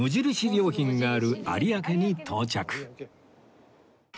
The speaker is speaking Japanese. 良品がある有明に到着